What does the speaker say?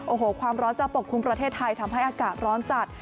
โอ้โหความร้อนจะปกคลุมประเทศไทยทำให้อากาศร้อนจัด